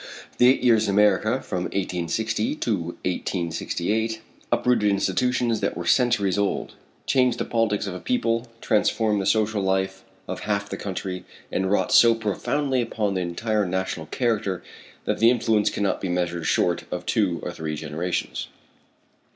The eight years in America from 1860 to 1868 uprooted institutions that were centuries old, changed the politics of a people, transformed the social life of half the country, and wrought so profoundly upon the entire national character that the influence cannot be measured short of two or three generations.